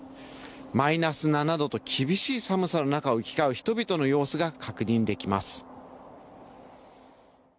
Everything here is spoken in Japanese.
マイナス７度と厳しい寒さの中を行き交う人々の様子が確認できます。